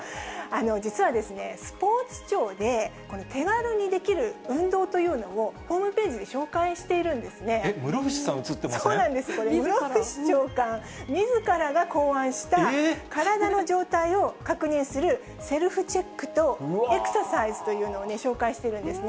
実はですね、スポーツ庁で、この手軽にできる運動というのをホームページで紹えっ、そうなんです、これ、室伏長官みずからが考案した、体の状態を確認するセルフチェックとエクササイズというのを紹介しているんですね。